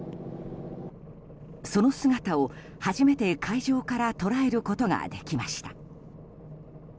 その姿を初めて海上から捉えることができました。